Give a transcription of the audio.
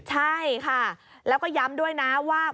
ใช่ค่ะแล้วก็ย้ำด้วยนะว่า